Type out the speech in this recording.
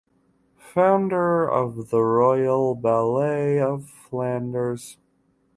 Founder of the Royal Ballet of Flanders.